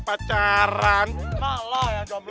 masih ada di banyak bangun